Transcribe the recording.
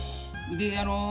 であの。